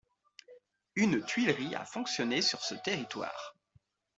Une tuilerie a fonctionné sur ce territoire.